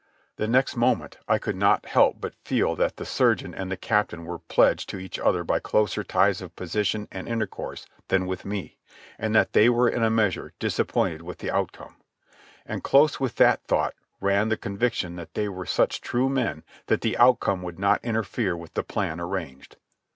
The next moment I could not help but feel that the surgeon and the captain were pledged to each other by closer ties of position and intercourse than with me, and that they were in a measure disappointed with the outcome. And close with that thought ran the conviction that they were such true men that the outcome would not interfere with the plan arranged.